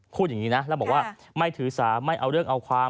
พูดอย่างนี้นะแล้วบอกว่าไม่ถือสาไม่เอาเรื่องเอาความ